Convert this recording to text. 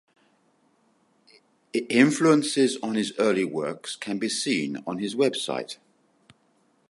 Influences on his early works can be seen on his website.